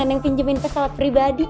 neng pinjemin pesawat pribadi